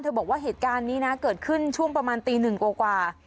บอกว่าเหตุการณ์นี้นะเกิดขึ้นช่วงประมาณตีหนึ่งกว่า